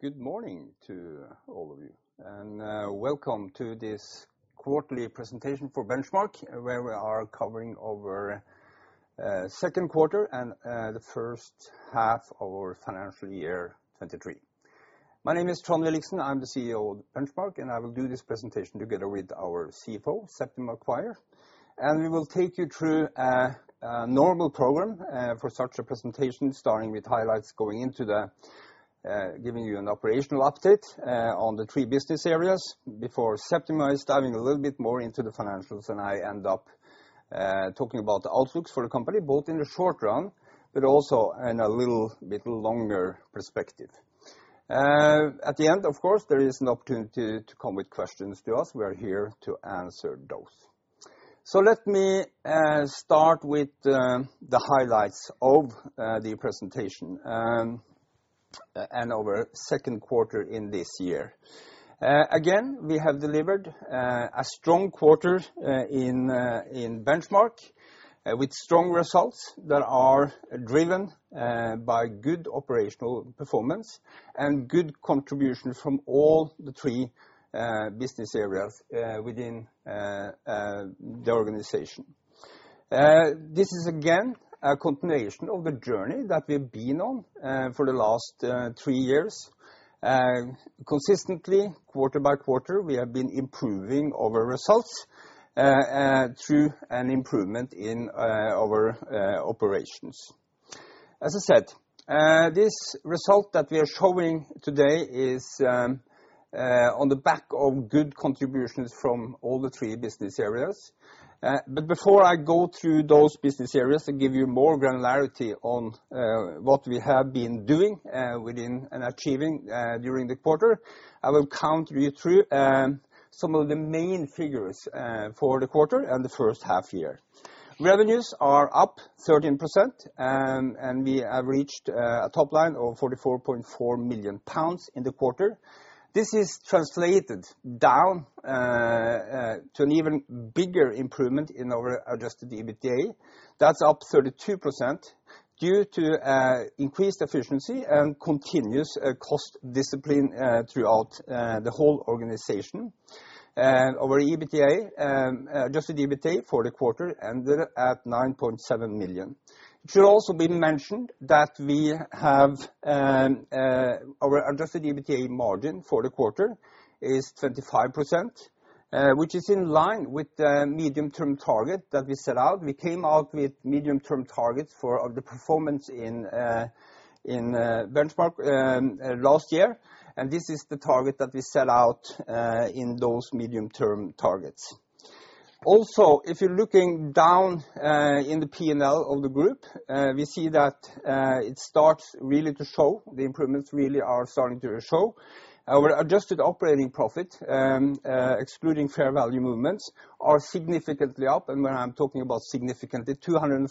Good morning to all of you, and welcome to this quarterly presentation for Benchmark, where we are covering over second quarter and the first half of our financial year, 2023. My name is Trond Williksen, I'm the CEO of Benchmark, and I will do this presentation together with our CFO, Septima Maguire. We will take you through a normal program for such a presentation, starting with highlights, going into the giving you an operational update on the three business areas before Septima is diving a little bit more into the financials. I end up talking about the outlooks for the company, both in the short run, but also in a little bit longer perspective. At the end, of course, there is an opportunity to come with questions to us. We are here to answer those. Let me start with the highlights of the presentation, and over second quarter in this year. Again, we have delivered a strong quarter in Benchmark, with strong results that are driven by good operational performance and good contribution from all the three business areas within the organization. This is again, a continuation of the journey that we've been on for the last three years. Consistently, quarter by quarter, we have been improving our results through an improvement in our operations. As I said, this result that we are showing today is on the back of good contributions from all the three business areas. Before I go through those business areas and give you more granularity on what we have been doing within and achieving during the quarter, I will count you through some of the main figures for the quarter and the first half year. Revenues are up 13%, and we have reached a top line of 44.4 million pounds in the quarter. This is translated down to an even bigger improvement in our Adjusted EBITDA. That's up 32% due to increased efficiency and continuous cost discipline throughout the whole organization. Our EBITDA, Adjusted EBITDA for the quarter ended at 9.7 million. It should also been mentioned that we have our Adjusted EBITDA margin for the quarter is 25%, which is in line with the medium-term target that we set out. We came out with medium-term targets for the performance in Benchmark, last year. This is the target that we set out in those medium-term targets. If you're looking down in the P&L of the group, we see that it starts really to show the improvements really are starting to show. Our Adjusted operating profit, excluding fair value movements, are significantly up. When I'm talking about significantly, 244%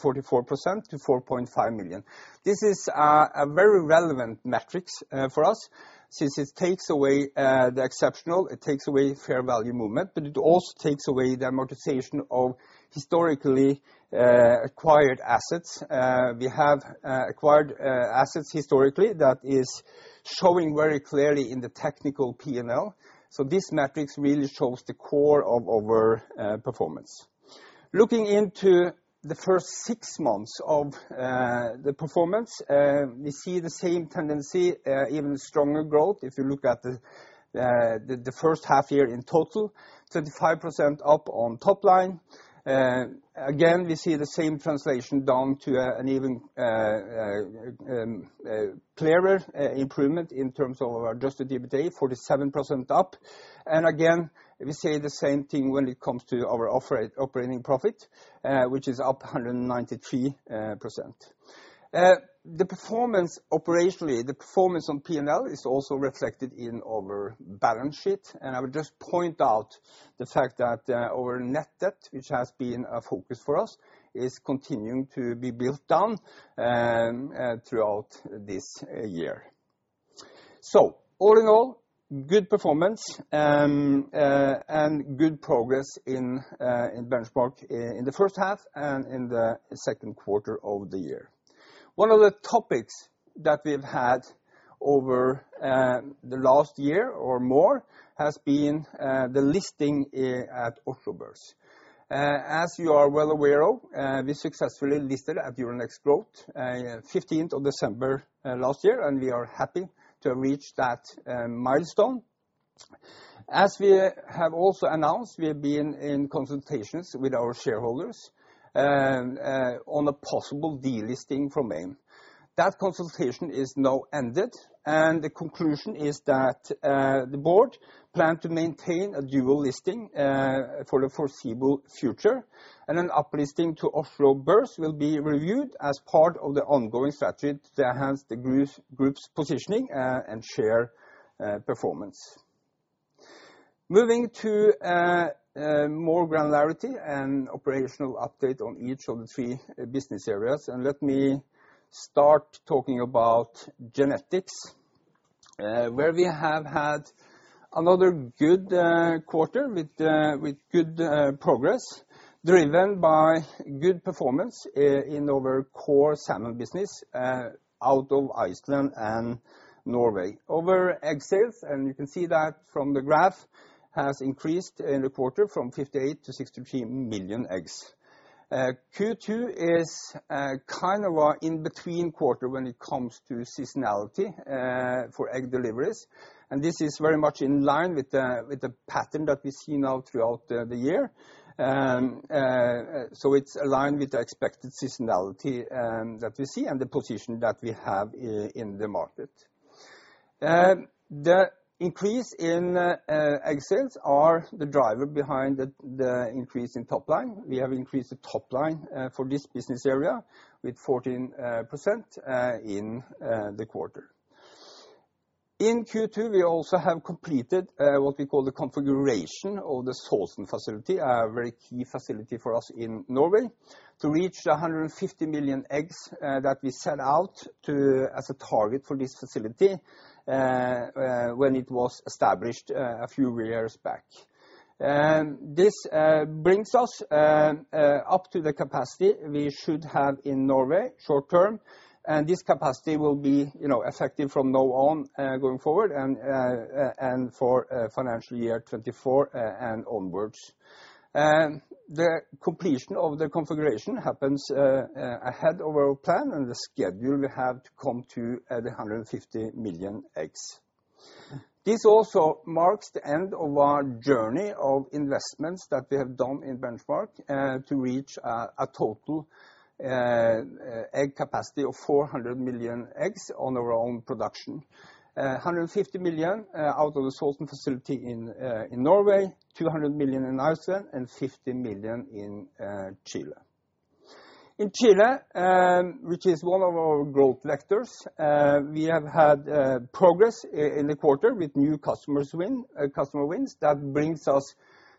to 4.5 million. This is a very relevant metrics for us since it takes away the exceptional, it takes away fair value movement, but it also takes away the amortization of historically acquired assets. We have acquired assets historically that is showing very clearly in the technical P&L. This metrics really shows the core of our performance. Looking into the first six months of the performance, we see the same tendency, even stronger growth, if you look at the first half year in total, 35% up on top line. Again, we see the same translation down to an even clearer improvement in terms of our Adjusted EBITDA, 47% up. Again, we say the same thing when it comes to our operating profit, which is up 193%. The performance operationally, the performance on P&L is also reflected in our balance sheet. I would just point out the fact that our net debt, which has been a focus for us, is continuing to be built down throughout this year. All in all, good performance and good progress in Benchmark in the first half and in the second quarter of the year. One of the topics that we've had over the last year or more has been the listing at Oslo Børs. As you are well aware of, we successfully listed at Euronext Growth 15th of December last year, and we are happy to reach that milestone. As we have also announced, we have been in consultations with our shareholders on a possible delisting from AIM. That consultation is now ended. The conclusion is that the board plan to maintain a dual listing for the foreseeable future. An uplisting to Oslo Børs will be reviewed as part of the ongoing strategy to enhance the group's positioning and share performance. Moving to more granularity and operational update on each of the three business areas. Let me start talking about genetics. We have had another good quarter with good progress driven by good performance in our core salmon business out of Iceland and Norway. Our egg sales, and you can see that from the graph, has increased in the quarter from 58 to 63 million eggs. Q2 is kind of our in-between quarter when it comes to seasonality for egg deliveries. This is very much in line with the pattern that we see now throughout the year. So it's aligned with the expected seasonality that we see and the position that we have in the market. The increase in egg sales are the driver behind the increase in top line. We have increased the top line for this business area with 14% in the quarter. In Q2, we also have completed what we call the configuration of the Sortland facility, a very key facility for us in Norway, to reach the 150 million eggs that we set out to as a target for this facility when it was established a few years back. This brings us up to the capacity we should have in Norway short term, and this capacity will be, you know, effective from now on, going forward and for financial year 2024 and onwards. The completion of the configuration happens ahead of our plan and the schedule we have to come to at the 150 million eggs. This also marks the end of our journey of investments that we have done in Benchmark to reach a total egg capacity of 400 million eggs on our own production. 150 million out of the Sortland facility in Norway, 200 million in Iceland, and 50 million in Chile. In Chile, which is one of our growth vectors, we have had progress in the quarter with new customer wins that brings us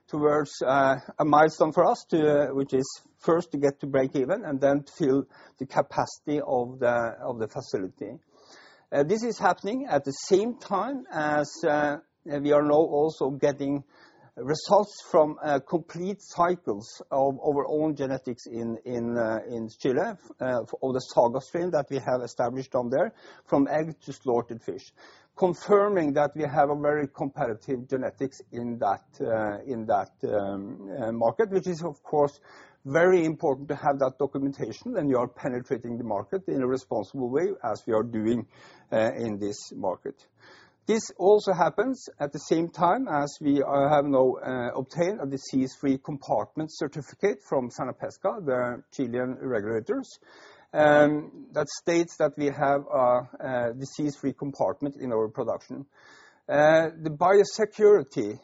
towards a milestone for us, which is first to get to break even and then fill the capacity of the facility. This is happening at the same time as we are now also getting results from complete cycles of our own genetics in Chile, of the Saga strain that we have established on there from egg to slaughtered fish, confirming that we have a very competitive genetics in that market. Which is of course very important to have that documentation when you are penetrating the market in a responsible way as we are doing in this market. This also happens at the same time as we have now obtained a disease-free compartment certificate from SERNAPESCA, the Chilean regulators, that states that we have a disease-free compartment in our production. The biosecurity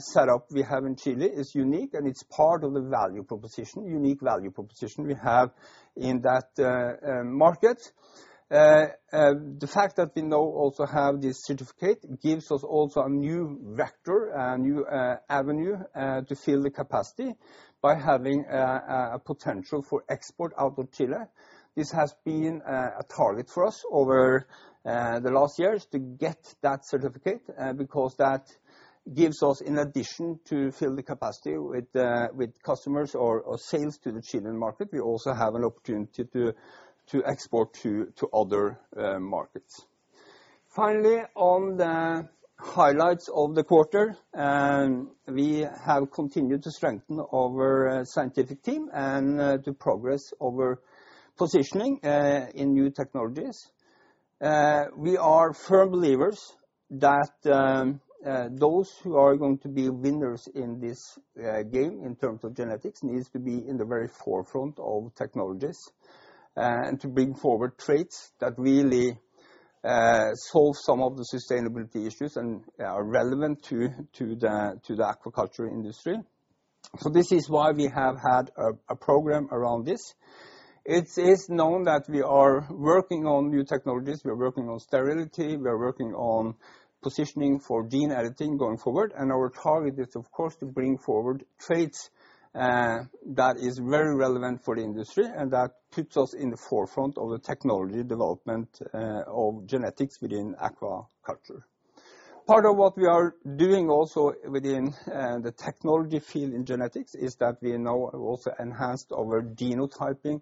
set up we have in Chile is unique, and it's part of the value proposition, unique value proposition we have in that market. The fact that we now also have this certificate gives us also a new vector, a new avenue to fill the capacity by having a potential for export out of Chile. This has been a target for us over the last years to get that certificate, because that gives us, in addition to fill the capacity with customers or sales to the Chilean market, we also have an opportunity to export to other markets. Finally, on the highlights of the quarter, we have continued to strengthen our scientific team and to progress our positioning in new technologies. We are firm believers that those who are going to be winners in this game in terms of genetics needs to be in the very forefront of technologies, and to bring forward traits that really solve some of the sustainability issues and are relevant to the aquaculture industry. This is why we have had a program around this. It is known that we are working on new technologies. We are working on sterility. We are working on positioning for gene editing going forward, and our target is of course to bring forward traits that is very relevant for the industry and that puts us in the forefront of the technology development of genetics within aquaculture. Part of what we are doing also within the technology field in genetics is that we now also enhanced our genotyping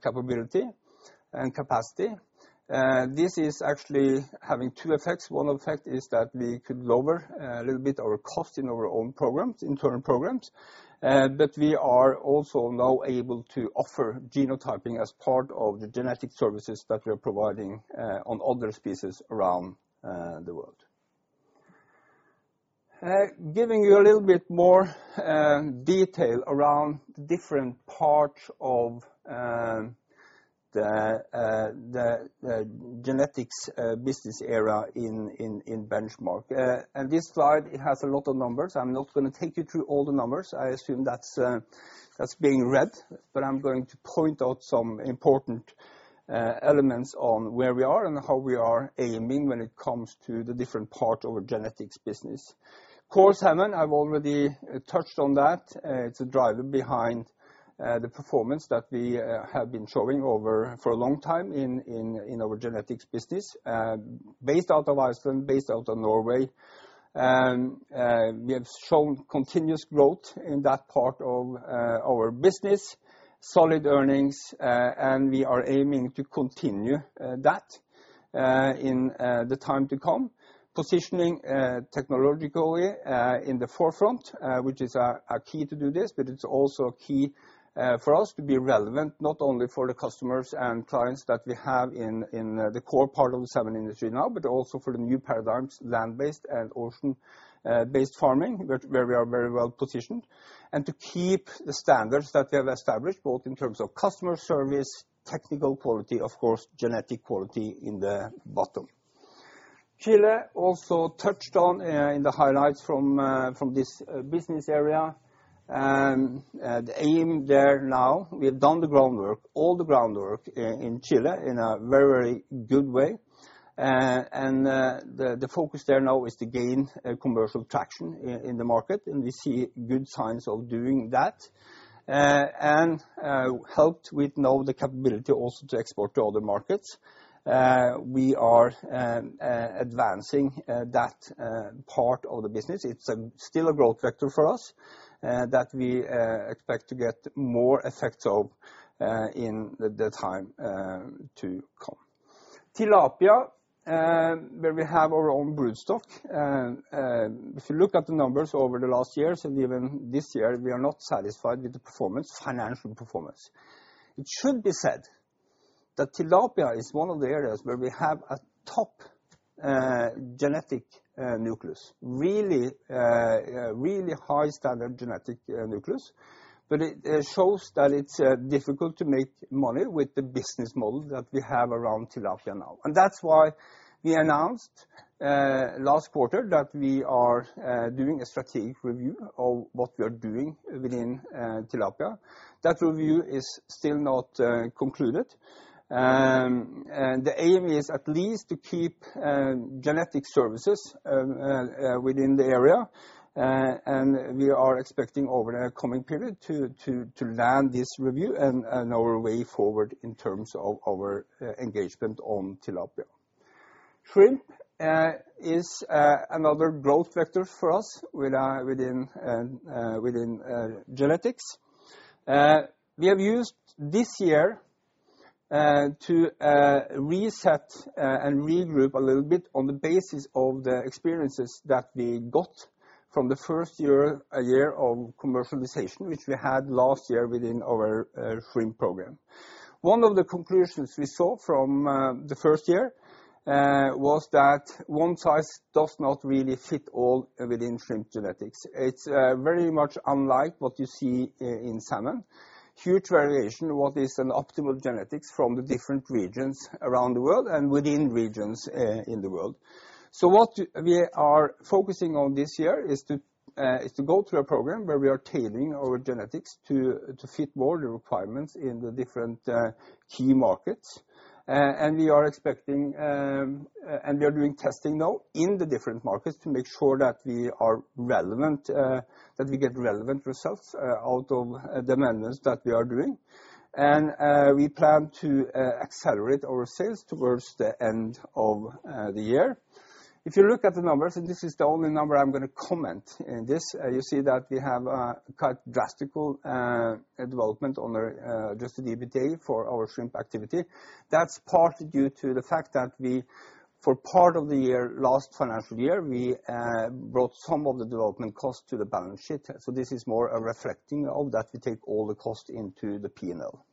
capability and capacity. This is actually having two effects. One effect is that we could lower a little bit our cost in our own programs, internal programs, but we are also now able to offer genotyping as part of the genetic services that we are providing on other species around the world. Giving you a little bit more detail around different parts of the genetics business area in Benchmark. This slide, it has a lot of numbers. I'm not going to take you through all the numbers. I assume that's being read, but I'm going to point out some important elements on where we are and how we are aiming when it comes to the different part of our genetics business. Core salmon, I've already touched on that. It's a driver behind the performance that we have been showing over for a long time in our genetics business, based out of Iceland, based out of Norway. We have shown continuous growth in that part of our business, solid earnings, and we are aiming to continue that in the time to come. Positioning technologically in the forefront, which is a key to do this, but it's also a key for us to be relevant not only for the customers and clients that we have in the core part of the salmon industry now, but also for the new paradigms, land-based and ocean based farming where we are very well-positioned. To keep the standards that we have established, both in terms of customer service, technical quality, of course, genetic quality in the bottom. Chile also touched on in the highlights from this business area. The aim there now, we have done the groundwork, all the groundwork in Chile in a very, very good way. The focus there now is to gain commercial traction in the market, and we see good signs of doing that. Helped with now the capability also to export to other markets. We are advancing that part of the business. It's still a growth factor for us that we expect to get more effects of in the time to come. Tilapia, where we have our own broodstock. numbers over the last years and even this year, we are not satisfied with the performance, financial performance. It should be said that tilapia is one of the areas where we have a top genetic nucleus. Really high standard genetic nucleus. But it shows that it's difficult to make money with the business model that we have around tilapia now. That's why we announced last quarter that we are doing a strategic review of what we are doing within tilapia. That review is still not concluded. The aim is at least to keep genetic services within the area. We are expecting over a coming period to land this review and our way forward in terms of our engagement on tilapia. Shrimp is another growth factor for us with within within genetics. We have used this year to reset and regroup a little bit on the basis of the experiences that we got from the first year, a year of commercialization, which we had last year within our shrimp program. One of the conclusions we saw from the first year was that one size does not really fit all within shrimp genetics. It's very much unlike what you see in salmon. Huge variation what is an optimal genetics from the different regions around the world and within regions in the world. What we are focusing on this year is to go through a program where we are tailoring our genetics to fit more the requirements in the different key markets. We are expecting, and we are doing testing now in the different markets to make sure that we are relevant, that we get relevant results out of the amendments that we are doing. We plan to accelerate our sales towards the end of the year. If you look at the numbers, and this is the only number I'm gonna comment in this, you see that we have quite drastic development on our Adjusted EBITDA for our shrimp activity. That's partly due to the fact that we, for part of the year, last financial year, we brought some of the development costs to the balance sheet. This is more a reflecting of that. We take all the cost into the P&L.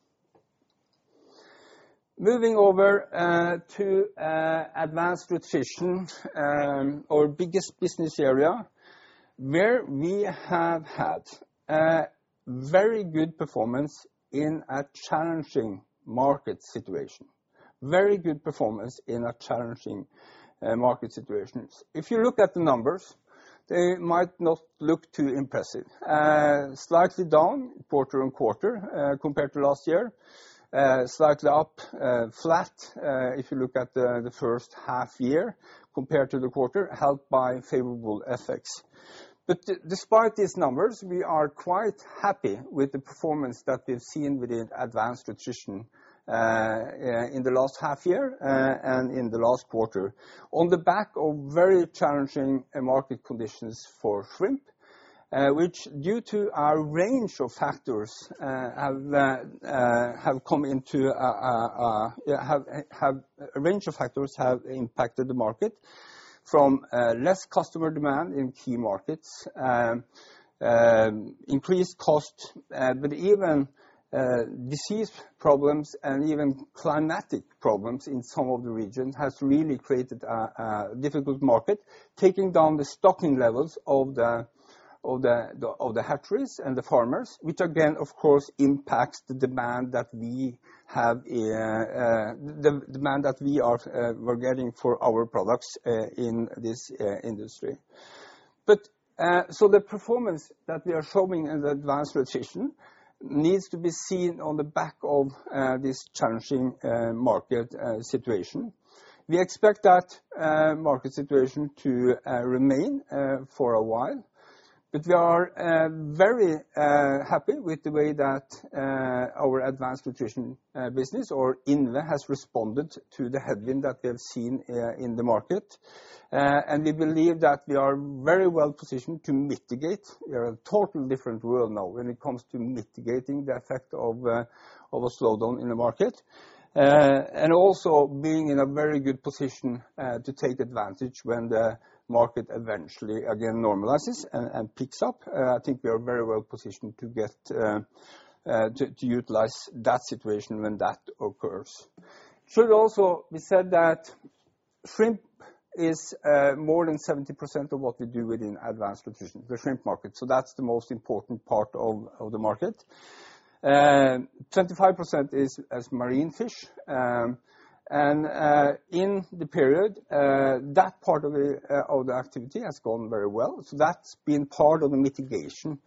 Moving over to Advanced Nutrition, our biggest business area, where we have had a very good performance in a challenging market situation. Very good performance in a challenging market situation. If you look at the numbers, they might not look too impressive. Slightly down quarter-on-quarter compared to last year. Slightly up, flat, if you look at the first half year compared to the quarter, helped by favorable FX. Despite these numbers, we are quite happy with the performance that we've seen within Advanced Nutrition in the last half year and in the last quarter. On the back of very challenging market conditions for shrimp, which due to a range of factors have impacted the market from less customer demand in key markets, increased cost, but even disease problems and even climatic problems in some of the regions has really created a difficult market, taking down the stocking levels of the hatcheries and the farmers, which again, of course, impacts the demand that we have, the demand that we are getting for our products in this industry. The performance that we are showing in the Advanced Nutrition needs to be seen on the back of this challenging market situation. We expect that market situation to remain for a while. We are very happy with the way that our Advanced Nutrition business or INVE has responded to the headwind that we have seen in the market. We believe that we are very well positioned to mitigate. We are in a total different world now when it comes to mitigating the effect of a slowdown in the market. Also being in a very good position to take advantage when the market eventually again normalizes and picks up. I think we are very well positioned to get to utilize that situation when that occurs. Should also be said that shrimp is more than 70% of what we do within Advanced Nutrition, the shrimp market. That's the most important part of the market. 25% is as marine fish. In the period, that part of the activity has gone very well. That's been part of the mitigation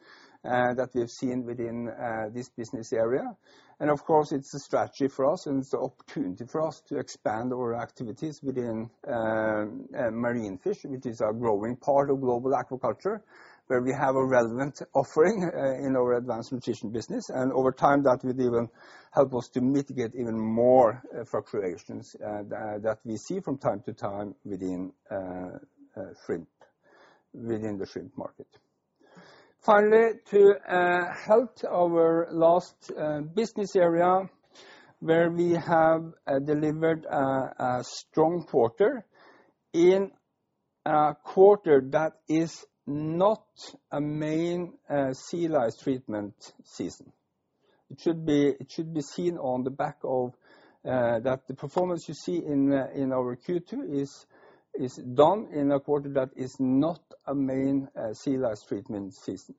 that we have seen within this business area. Of course, it's a strategy for us, and it's an opportunity for us to expand our activities within marine fish, which is a growing part of global aquaculture, where we have a relevant offering in our Advanced Nutrition business. Over time, that will even help us to mitigate even more fluctuations that we see from time to time within shrimp, within the shrimp market. Finally, to health, our last business area, where we have delivered a strong quarter. In a quarter that is not a main sea lice treatment season. It should be seen on the back of that the performance you see in our Q2 is done in a quarter that is not a main sea lice treatment season.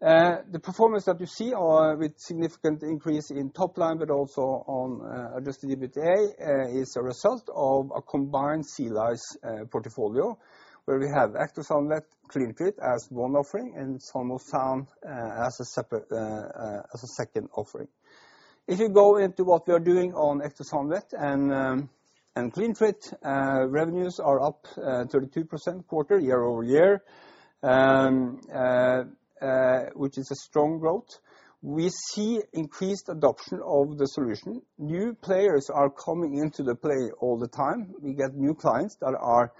The performance that you see are with significant increase in top line, but also on Adjusted EBITDA is a result of a combined sea lice portfolio, where we have Ectosan Vet, CleanTreat as one offering, and Salmosan as a separate as a second offering. If you go into what we are doing on Ectosan Vet and CleanTreat, revenues are up 32% quarter year-over-year, which is a strong growth. We see increased adoption of the solution. New players are coming into the play all the time. We get new clients that are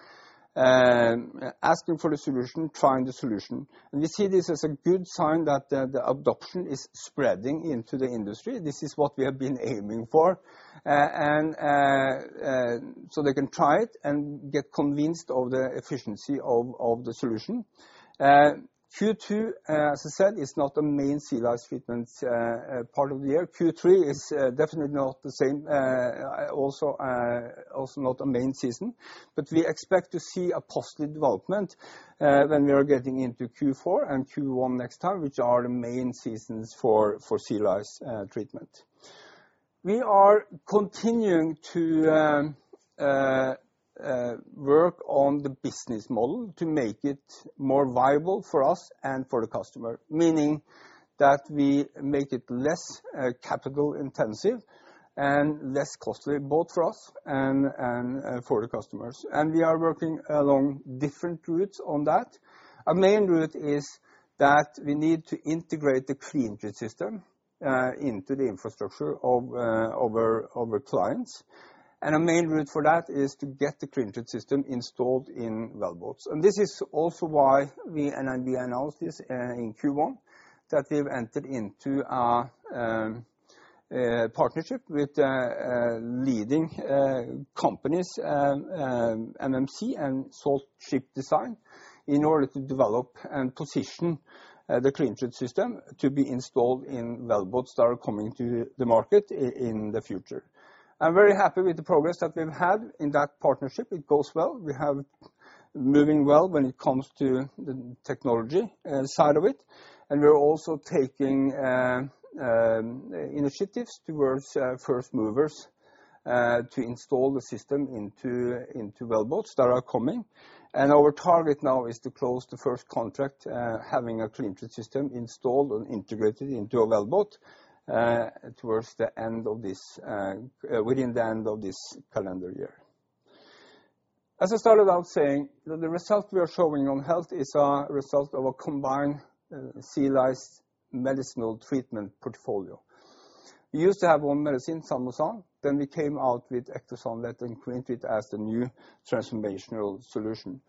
asking for a solution, trying the solution. We see this as a good sign that the adoption is spreading into the industry. This is what we have been aiming for. So they can try it and get convinced of the efficiency of the solution. Q2, as I said, is not a main sea lice treatment part of the year. Q3 is definitely not the same, also not a main season. We expect to see a positive development when we are getting into Q4 and Q1 next time, which are the main seasons for sea lice treatment. We are continuing to work on the business model to make it more viable for us and for the customer. Meaning that we make it less capital intensive and less costly, both for us and for the customers. We are working along different routes on that. A main route is that we need to integrate the CleanTreat system into the infrastructure of our clients. A main route for that is to get the CleanTreat system installed in wellboats. This is also why we announced this in Q1, that we've entered into a partnership with leading companies, MMC and Salt Ship Design in order to develop and position the CleanTreat system to be installed in wellboats that are coming to the market in the future. I'm very happy with the progress that we've had in that partnership. It goes well. We have moving well when it comes to the technology side of it. We are also taking initiatives towards first movers to install the system into wellboats that are coming. Our target now is to close the first contract, having a CleanTreat system installed and integrated into a wellboat towards the end of this within the end of this calendar year. As I started out saying, the results we are showing on health is a result of a combined sea lice medicinal treatment portfolio. We used to have one medicine, Salmosan, then we came out with Ectosan Vet and CleanTreat as the new transformational solution.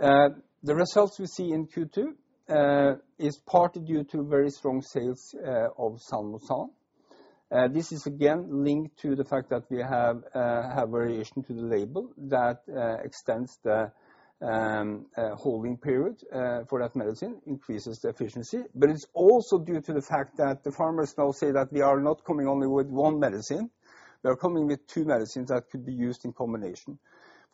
The results we see in Q2 is partly due to very strong sales of Salmosan. This is again linked to the fact that we have variation to the label that extends the holding period for that medicine, increases the efficiency. It's also due to the fact that the farmers now say that we are not coming only with one medicine, we are coming with two medicines that could be used in combination.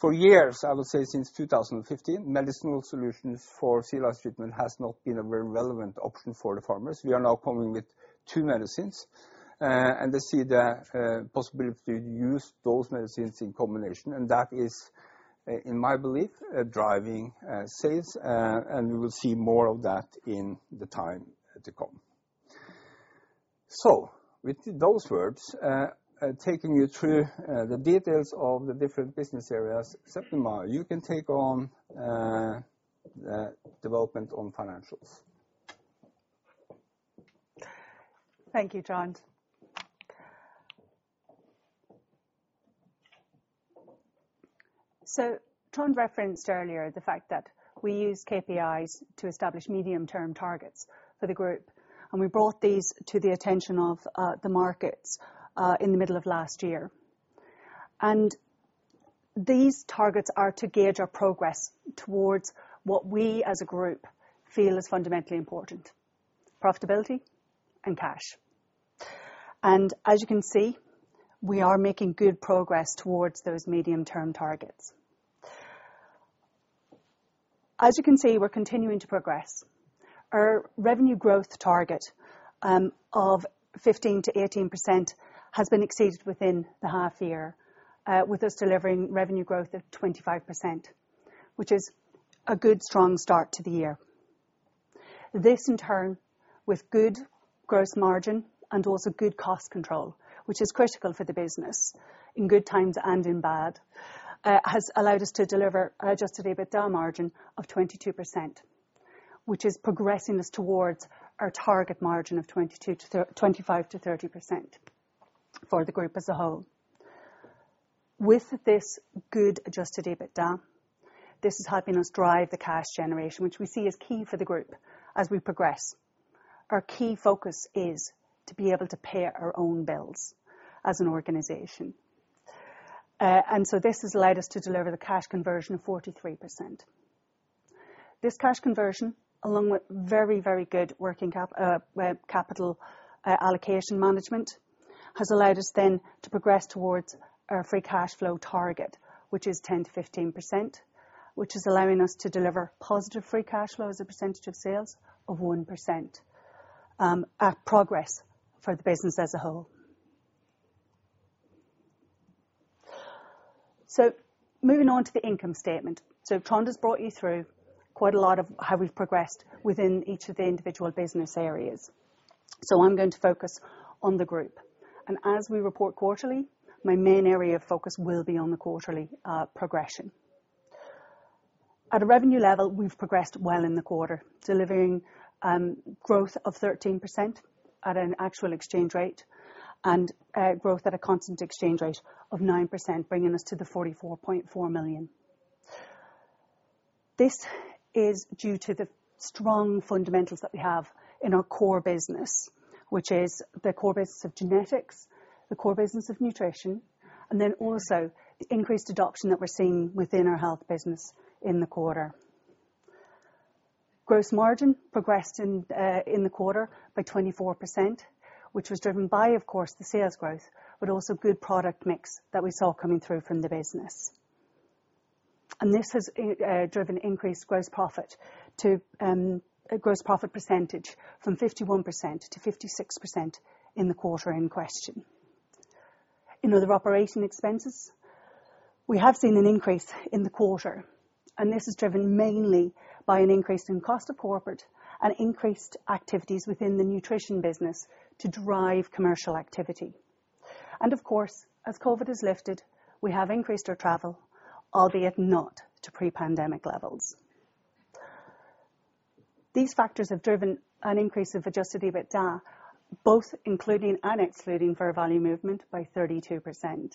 For years, I would say since 2015, medicinal solutions for sea lice treatment has not been a very relevant option for the farmers. We are now coming with two medicines, and they see the possibility to use those medicines in combination. And that is, in my belief, driving sales, and we will see more of that in the time to come. With those words, taking you through the details of the different business areas, Septima, you can take on the development on financials. Thank you, Trond. Trond referenced earlier the fact that we use KPIs to establish medium-term targets for the group, and we brought these to the attention of the markets in the middle of last year. These targets are to gauge our progress towards what we as a group feel is fundamentally important: profitability and cash. As you can see, we are making good progress towards those medium-term targets. As you can see, we're continuing to progress. Our revenue growth target of 15%-18% has been exceeded within the half year, with us delivering revenue growth of 25%, which is a good strong start to the year. This in turn with good gross margin and also good cost control, which is critical for the business in good times and in bad, has allowed us to deliver Adjusted EBITDA margin of 22%, which is progressing us towards our target margin of 25%-30% for the group as a whole. With this good Adjusted EBITDA, this is helping us drive the cash generation, which we see as key for the group as we progress. Our key focus is to be able to pay our own bills as an organization. This has allowed us to deliver the cash conversion of 43%. This cash conversion, along with very good working capital allocation management, has allowed us then to progress towards our free cash flow target, which is 10%-15%, which is allowing us to deliver positive free cash flow as a percentage of sales of 1%, a progress for the business as a whole. Moving on to the income statement. Trond has brought you through quite a lot of how we've progressed within each of the individual business areas. I'm going to focus on the group. As we report quarterly, my main area of focus will be on the quarterly progression. At a revenue level, we've progressed well in the quarter, delivering growth of 13% at an actual exchange rate and growth at a constant exchange rate of 9%, bringing us to 44.4 million. This is due to the strong fundamentals that we have in our core business, which is the core business of genetics, the core business of nutrition, and then also the increased adoption that we're seeing within our health business in the quarter. Gross margin progressed in the quarter by 24%, which was driven by, of course, the sales growth, but also good product mix that we saw coming through from the business. This has driven increased gross profit to a gross profit percentage from 51% to 56% in the quarter in question. In other operating expenses, we have seen an increase in the quarter. This is driven mainly by an increase in cost of corporate and increased activities within the nutrition business to drive commercial activity. Of course, as COVID has lifted, we have increased our travel, albeit not to pre-pandemic levels. These factors have driven an increase of Adjusted EBITDA, both including and excluding Fair value movement by 32%,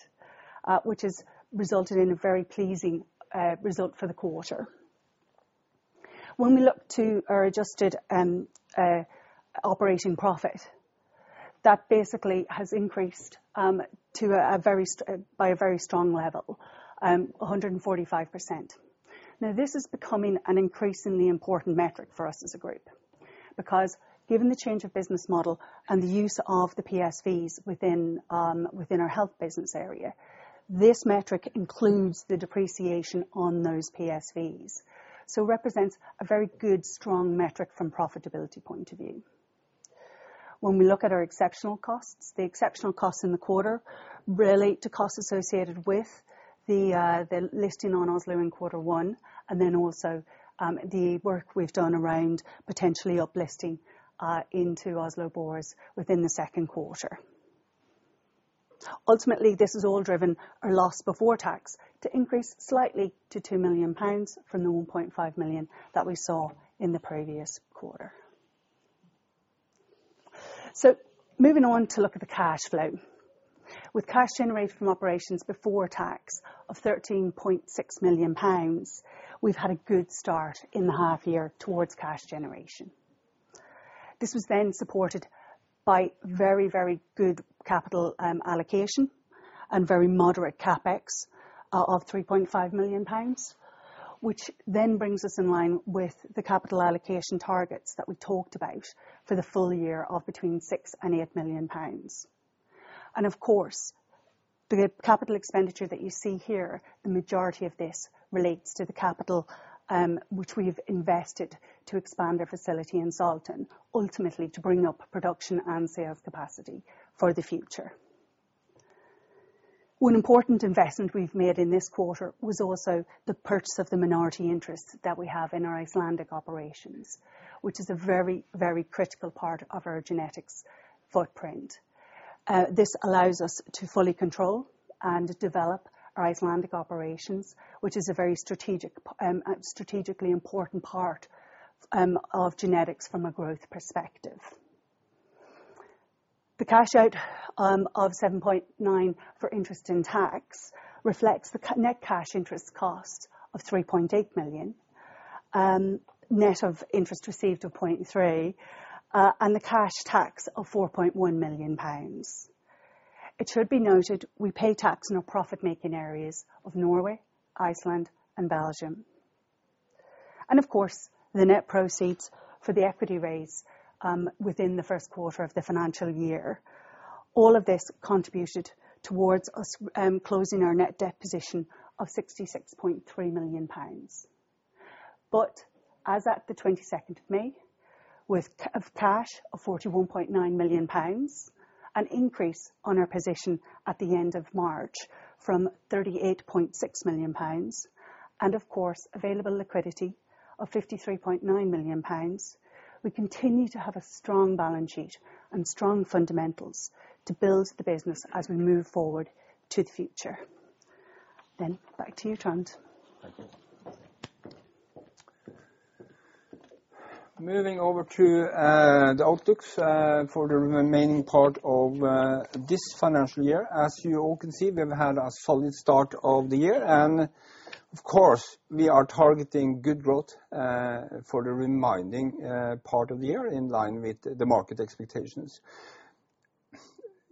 which has resulted in a very pleasing result for the quarter. When we look to our Adjusted operating profit, that basically has increased to a very strong level, 145%. This is becoming an increasingly important metric for us as a group because given the change of business model and the use of the PSV within our health business area, this metric includes the depreciation on those PSV. Represents a very good strong metric from profitability point of view. When we look at our exceptional costs, the exceptional costs in the quarter relate to costs associated with the listing on Oslo in quarter one, and then also the work we've done around potentially uplisting into Oslo Børs within the second quarter. Ultimately, this has all driven our loss before tax to increase slightly to 2 million pounds from the 1.5 million that we saw in the previous quarter. Moving on to look at the cash flow. With cash generated from operations before tax of 13.6 million pounds, we've had a good start in the half year towards cash generation. This was then supported by very good capital allocation and very moderate CapEx of 3.5 million pounds, which then brings us in line with the capital allocation targets that we talked about for the full year of between 6 million and 8 million pounds. Of course, the capital expenditure that you see here, the majority of this relates to the capital which we've invested to expand our facility in Salten, ultimately to bring up production and sales capacity for the future. One important investment we've made in this quarter was also the purchase of the minority interest that we have in our Icelandic operations, which is a very critical part of our genetics footprint. This allows us to fully control and develop our Icelandic operations, which is a very strategically important part of genetics from a growth perspective. The cash out of 7.9 for interest and tax reflects the net cash interest cost of 3.8 million, net of interest received of 0.3, and the cash tax of 4.1 million pounds. It should be noted, we pay tax in our profit-making areas of Norway, Iceland, and Belgium. Of course, the net proceeds for the equity raise within the first quarter of the financial year. All of this contributed towards us closing our net debt position of 66.3 million pounds. As at the 22nd of May, with of cash of 41.9 million pounds, an increase on our position at the end of March from 38.6 million pounds, and of course, available liquidity of 53.9 million pounds, we continue to have a strong balance sheet and strong fundamentals to build the business as we move forward to the future. Back to you, Trond. Thank you. Moving over to the outlooks for the remaining part of this financial year. As you all can see, we've had a solid start of the year. Of course, we are targeting good growth for the remaining part of the year in line with the market expectations.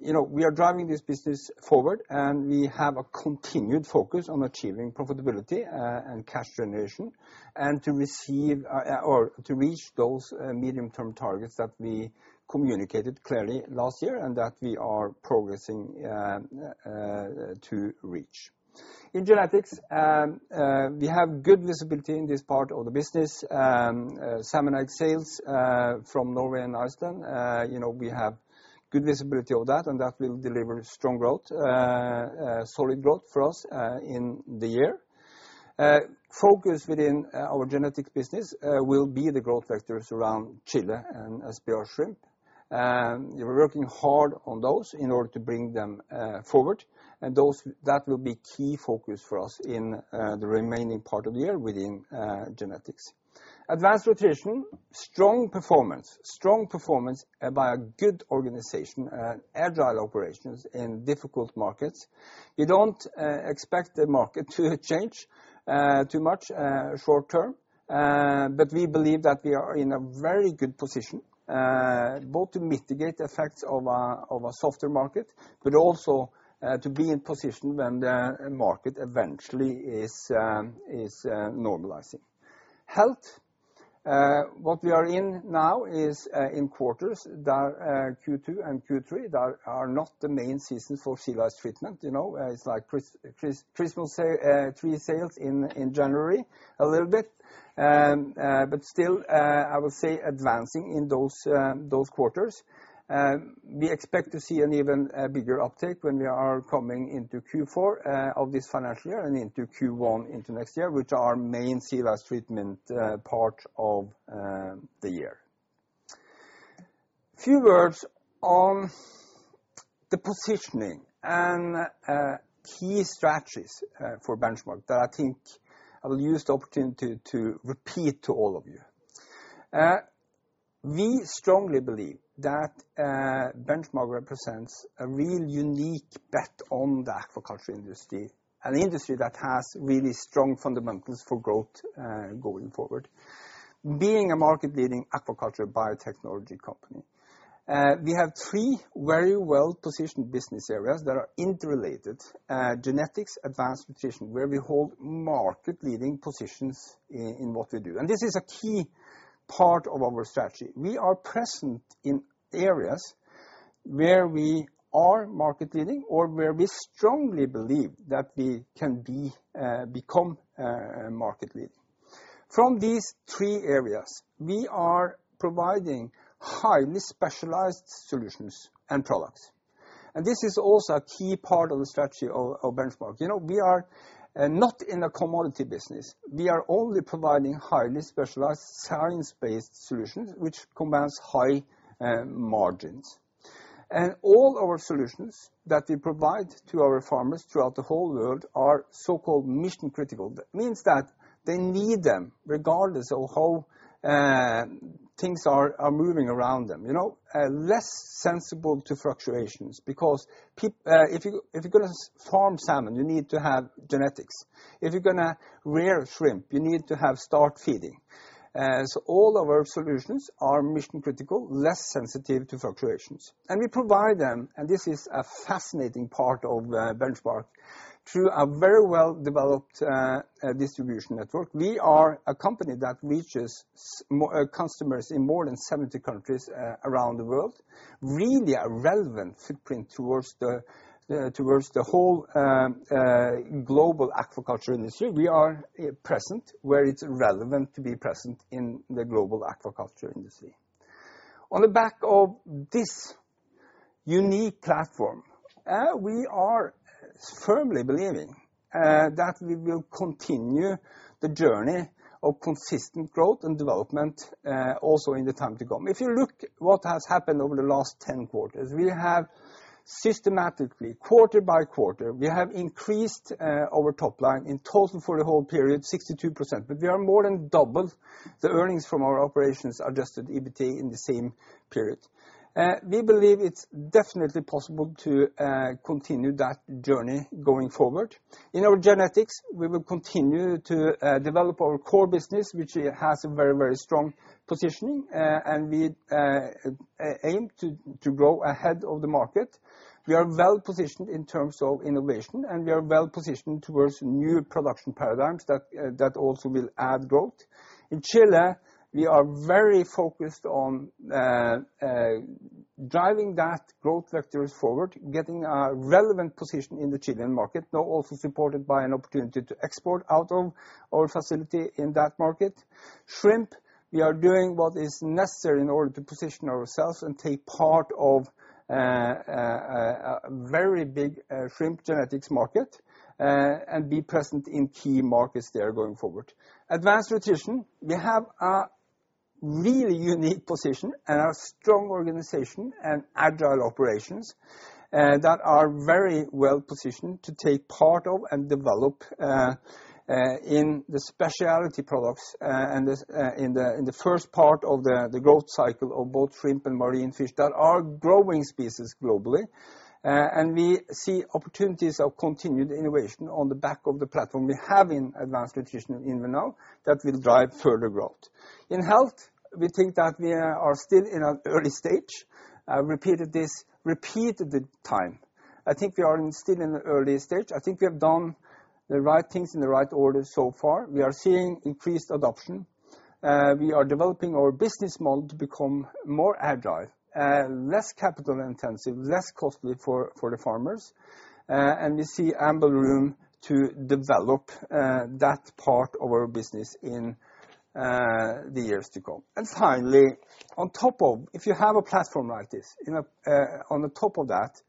You know, we are driving this business forward, and we have a continued focus on achieving profitability and cash generation, and to receive or to reach those medium-term targets that we communicated clearly last year and that we are progressing to reach. In genetics, we have good visibility in this part of the business. Salmon egg sales from Norway and Iceland, you know, we have good visibility of that, and that will deliver strong growth, solid growth for us in the year. Focus within our genetics business will be the growth vectors around Chile and SPR Shrimp. We're working hard on those in order to bring them forward. That will be key focus for us in the remaining part of the year within genetics. Advanced Nutrition, strong performance by a good organization, agile operations in difficult markets. We don't expect the market to change too much short-term. We believe that we are in a very good position both to mitigate the effects of a softer market, but also to be in position when the market eventually is normalizing. Health. What we are in now is in quarters that Q2 and Q3 that are not the main seasons for sea lice treatment. You know? It's like Christmas tree sales in January a little bit. Still, I would say advancing in those quarters. We expect to see an even bigger uptake when we are coming into Q4 of this financial year and into Q1 into next year, which are main sea lice treatment part of the year. Few words on the positioning and key strategies for Benchmark that I think I will use the opportunity to repeat to all of you. We strongly believe that Benchmark represents a real unique bet on the aquaculture industry, an industry that has really strong fundamentals for growth going forward. Being a market-leading aquaculture biotechnology company, we have three very well-positioned business areas that are interrelated, genetics, Advanced Nutrition, where we hold market-leading positions in what we do. This is a key part of our strategy. We are present in areas where we are market leading or where we strongly believe that we can become market leading. From these three areas, we are providing highly specialized solutions and products. This is also a key part of the strategy of Benchmark. You know, we are not in a commodity business. We are only providing highly specialized science-based solutions which commands high margins. All our solutions that we provide to our farmers throughout the whole world are so-called mission-critical. That means that they need them regardless of how things are moving around them. You know? Less sensible to fluctuations because if you're gonna farm salmon, you need to have genetics. If you're gonna rear shrimp, you need to have start feeding. All of our solutions are mission-critical, less sensitive to fluctuations. We provide them, and this is a fascinating part of Benchmark, through a very well-developed distribution network. We are a company that reaches customers in more than 70 countries around the world, really a relevant footprint towards the whole global aquaculture industry. We are present where it's relevant to be present in the global aquaculture industry. On the back of this unique platform, we are firmly believing that we will continue the journey of consistent growth and development also in the time to come. If you look what has happened over the last 10 quarters, we have systematically, quarter by quarter, increased our top line in total for the whole period, 62%. an double the earnings from our operations adjusted EBITDA in the same period. We believe it's definitely possible to continue that journey going forward. In our genetics, we will continue to develop our core business, which has a very, very strong positioning, and we aim to grow ahead of the market. We are well-positioned in terms of innovation, and we are well-positioned towards new production paradigms that also will add growth. In Chile, we are very focused on driving that growth vectors forward, getting a relevant position in the Chilean market, now also supported by an opportunity to export out of our facility in that market Shrimp, we are doing what is necessary in order to position ourselves and take part of a very big shrimp genetics market and be present in key markets there going forward. Advanced Nutrition, we have a really unique position and a strong organization and agile operations that are very well-positioned to take part of and develop in the specialty products, and this in the first part of the growth cycle of both shrimp and marine fish that are growing species globally. We see opportunities of continued innovation on the back of the platform we have in Advanced Nutrition and in [Venow] that will drive further growth. In health, we think that we are still in an early stage. I've repeated this repeated time. I think we are still in an early stage. I think we have done the right things in the right order so far. We are seeing increased adoption. We are developing our business model to become more agile, less capital-intensive, less costly for the farmers. We see ample room to develop that part of our business in the years to come. Finally, if you have a platform like this, you know, on the top of that,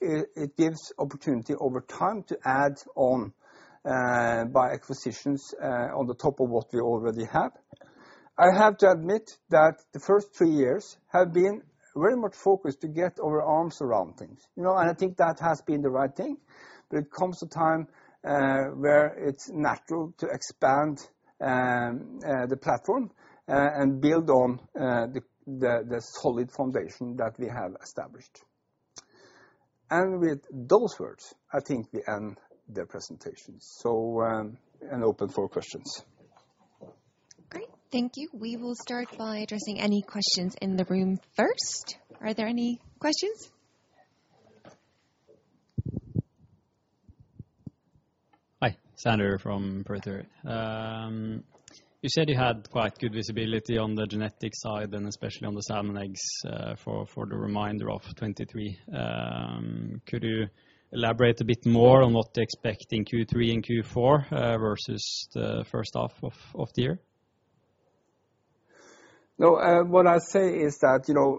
it gives opportunity over time to add on, by acquisitions, on the top of what we already have. I have to admit that the first three years have been very much focused to get our arms around things, you know, I think that has been the right thing. It comes a time where it's natural to expand the platform and build on the solid foundation that we have established. With those words, I think we end the presentation. Open for questions. Great. Thank you. We will start by addressing any questions in the room first. Are there any questions? Hi. Sander from Berenberg. You said you had quite good visibility on the genetics side and especially on the salmon eggs, for the reminder of 2023. Could you elaborate a bit more on what to expect in Q3 and Q4, versus the first half of the year? No, what I say is that, you know,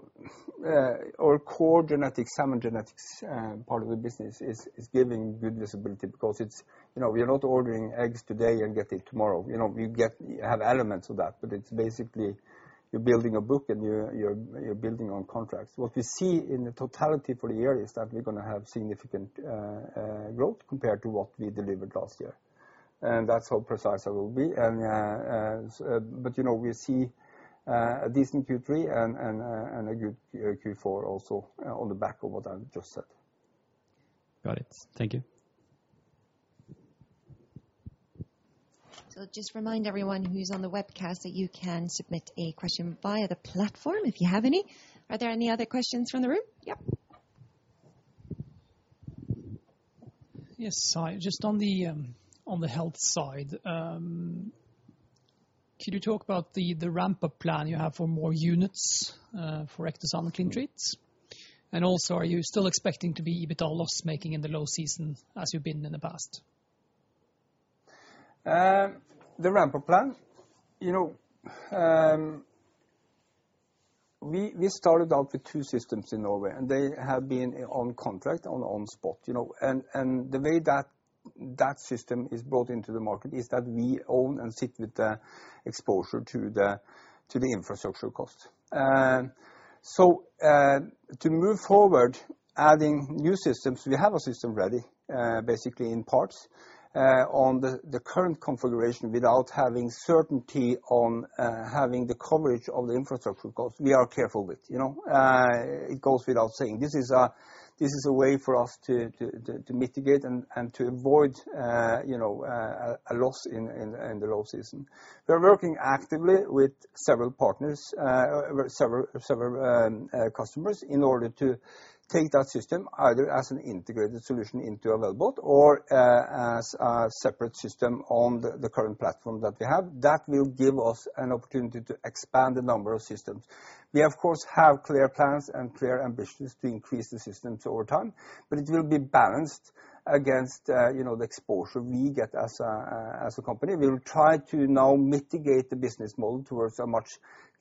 our core genetics, salmon genetics, part of the business is giving good visibility because it's. You know, we are not ordering eggs today and get it tomorrow. You know, you have elements of that, but it's basically you're building a book and you're building on contracts. What we see in the totality for the year is that we're gonna have significant growth compared to what we delivered last year. That's how precise I will be. You know, we see a decent Q3 and a good Q4 also on the back of what I just said. Got it. Thank you. Just remind everyone who's on the webcast that you can submit a question via the platform if you have any. Are there any other questions from the room? Yep. Yes. Just on the, on the health side, could you talk about the ramp-up plan you have for more units, for Ectosan and CleanTreat? Also, are you still expecting to be EBITDA loss-making in the low season as you've been in the past? The ramp-up plan, you know, we started out with two systems in Norway, and they have been on contract on spot, you know. The way that that system is brought into the market is that we own and sit with the exposure to the infrastructure costs. To move forward, adding new systems, we have a system ready, basically in parts, on the current configuration without having certainty on having the coverage of the infrastructure costs, we are careful with, you know. It goes without saying, this is a way for us to mitigate and to avoid, you know, a loss in the low season. We are working actively with several partners, or several customers in order to take that system either as an integrated solution into a wellbot or as a separate system on the current platform that we have. That will give us an opportunity to expand the number of systems. We of course have clear plans and clear ambitions to increase the systems over time, but it will be balanced against, you know, the exposure we get as a company. We'll try to now mitigate the business model towards a much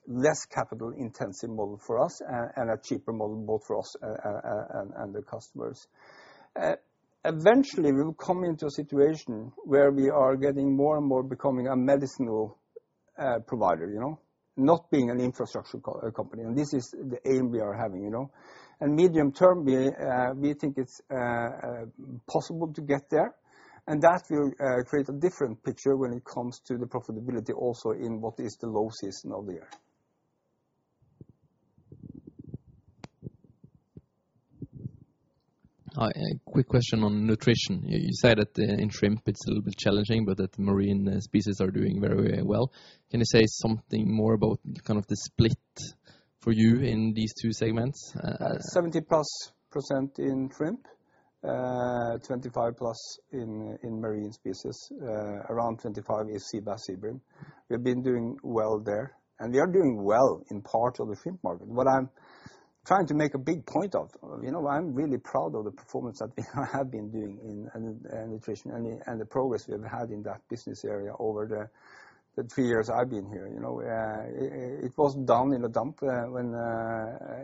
less capital-intensive model for us and a cheaper model both for us and the customers. Eventually, we will come into a situation where we are getting more and more becoming a medicinal provider, you know? Not being an infrastructure company, and this is the aim we are having, you know? Medium term we think it's possible to get there, and that will create a different picture when it comes to the profitability also in what is the low season of the year. Hi, a quick question on nutrition. You said that in shrimp it's a little bit challenging, but that the marine species are doing very well. Can you say something more about kind of the split for you in these two segments? 70%+ in shrimp. 25+ in marine species. around 25 is sea bass, sea bream. We've been doing well there, and we are doing well in part of the shrimp market. What I'm trying to make a big point of, you know, I'm really proud of the performance that we have been doing in nutrition and the progress we have had in that business area over the 3 years I've been here, you know. it was down in the dump, when,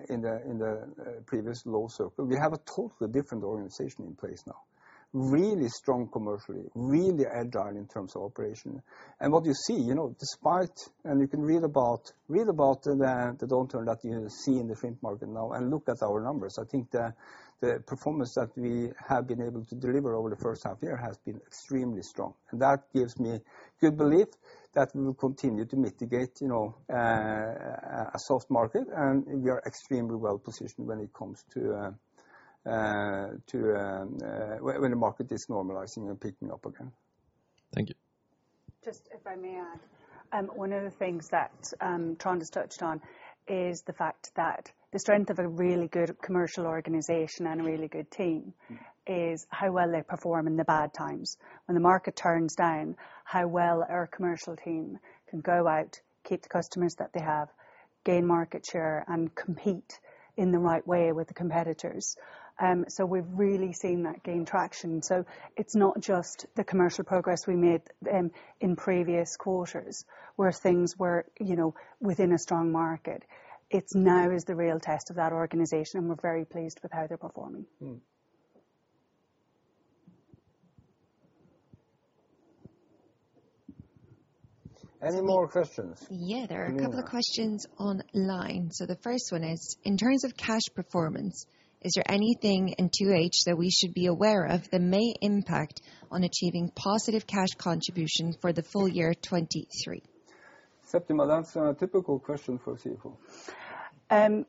in the previous low circle. We have a totally different organization in place now. Really strong commercially, really agile in terms of operation. What you see, you know, despite... You can read about the downturn that you see in the shrimp market now and look at our numbers. I think the performance that we have been able to deliver over the first half year has been extremely strong. That gives me good belief that we will continue to mitigate, you know, a soft market, and we are extremely well positioned when it comes to when the market is normalizing and picking up again. Thank you. Just if I may add, one of the things that Trond has touched on is the fact that the strength of a really good commercial organization and a really good team is how well they perform in the bad times. When the market turns down, how well our commercial team can go out, keep the customers that they have, gain market share, and compete in the right way with the competitors. So we've really seen that gain traction. So it's not just the commercial progress we made in previous quarters where things were, you know, within a strong market. It's now is the real test of that organization, and we're very pleased with how they're performing. Any more questions? Yeah, there are a couple of questions online. The first one is, "In terms of cash performance, is there anything in 2H that we should be aware of that may impact on achieving positive cash contribution for the full year 23? Septima, that's a typical question for a CFO.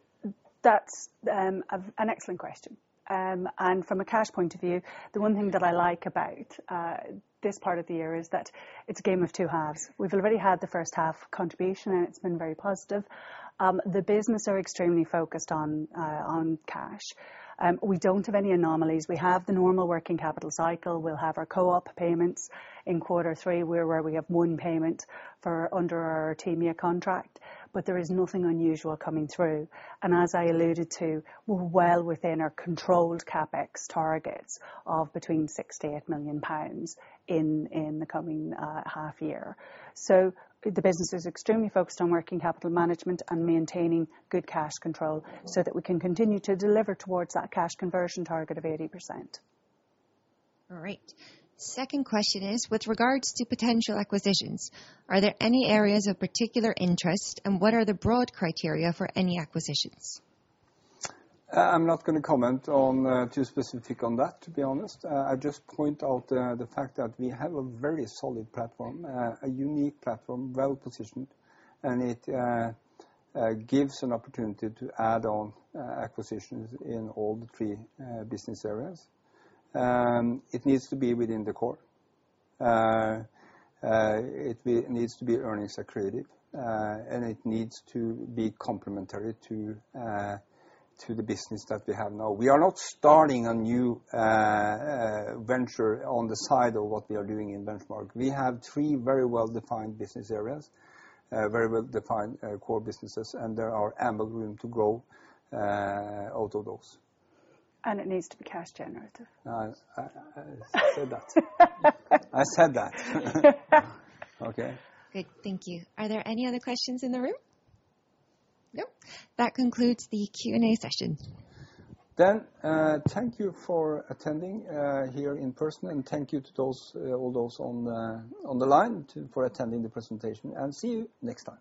That's an excellent question. From a cash point of view, the one thing that I like about this part of the year is that it's a game of two halves. We've already had the first half contribution, and it's been very positive. The business are extremely focused on cash. We don't have any anomalies. We have the normal working capital cycle. We'll have our Co-op payments in quarter three, where we have one payment for under our [Tamia] contract, but there is nothing unusual coming through. As I alluded to, we're well within our controlled CapEx targets of between 68 million pounds in the coming half year. The business is extremely focused on working capital management and maintaining good cash control so that we can continue to deliver towards that cash conversion target of 80%. All right. Second question is, with regards to potential acquisitions, are there any areas of particular interest? What are the broad criteria for any acquisitions? I'm not gonna comment on too specific on that, to be honest. I just point out the fact that we have a very solid platform, a unique platform, well-positioned, and it gives an opportunity to add on acquisitions in all the three business areas. It needs to be within the core. It needs to be earnings accretive, and it needs to be complementary to the business that we have now. We are not starting a new venture on the side of what we are doing in Benchmark. We have three very well-defined business areas, very well-defined core businesses, and there are ample room to grow out of those. It needs to be cash generative. I said that. I said that. Okay. Great. Thank you. Are there any other questions in the room? Nope. That concludes the Q&A session. Thank you for attending, here in person, and thank you to those, all those on the line for attending the presentation, and see you next time.